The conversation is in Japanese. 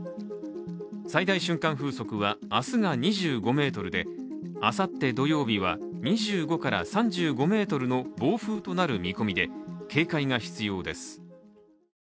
最大瞬間風速は明日が２５メートルで、あさって土曜日は、２５３５ｍの暴風となる見込みで警戒が必要です。